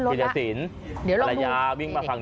พีรสินภรรยาขึ้นขึ้นมึง